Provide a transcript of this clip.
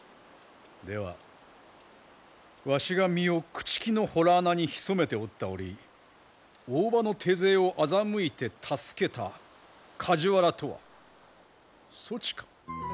ではわしが身を朽ち木の洞穴に潜めておった折大庭の手勢を欺いて助けた梶原とはそちか？